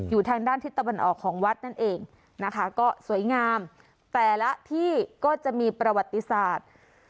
อยู่ทางด้านทิศตะวันออกของวัดนั่นเองนะคะก็สวยงามแต่ละที่ก็จะมีประวัติศาสตร์